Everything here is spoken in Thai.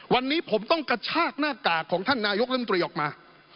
วันนี้ผมต้องกระชากหน้ากากของท่านนายกรัฐมนตรีออกมา